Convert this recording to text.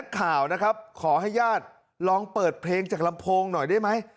ข่าวนะครับขอให้ญาติลองเปิดเพลงจากลำโพงหน่อยได้ไหม